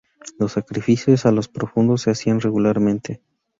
Los sacrificios a los Profundos se hacían regularmente.